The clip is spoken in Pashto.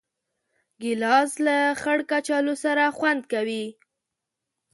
ګیلاس له خړ کچالو سره خوند کوي.